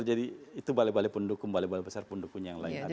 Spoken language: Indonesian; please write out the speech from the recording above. jadi itu balai balai pendukung balai balai besar pendukung yang lain